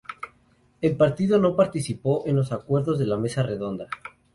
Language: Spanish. El partido no participó en los Acuerdos de la Mesa Redonda.